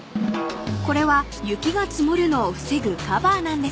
［これは雪が積もるのを防ぐカバーなんですって］